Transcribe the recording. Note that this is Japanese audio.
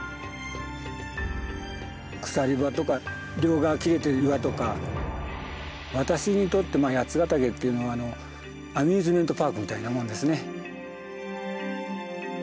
鎖場とか両側切れている岩とか私にとって八ヶ岳っていうのはアミューズメントパークみたいなもんですね。